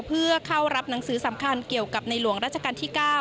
เพื่อเข้ารับหนังสือสำคัญเกี่ยวกับในหลวงราชการที่๙